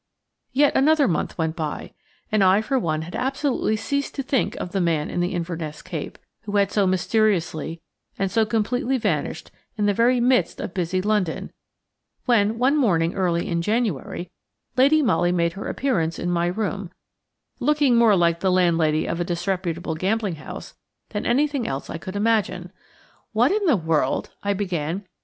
Yet another month went by, and I for one had absolutely ceased to think of the man in the Inverness cape, who had so mysteriously and so completely vanished in the very midst of busy London, when, one morning early in January, Lady Molly made her appearance in my room, looking more like the landlady of a disreputable gambling house than anything else I could imagine. "What in the world–?" I began.